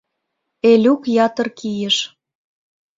Элюк ятыр кийыш.